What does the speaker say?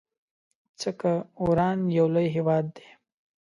څه که وران يو لوی هيواد دی